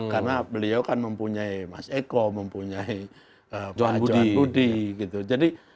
karena beliau kan mempunyai mas eko mempunyai pak johan budi